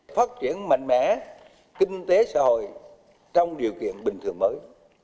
phát triển mạnh mẽ kinh tế xã hội trong điều kiện bình thường mới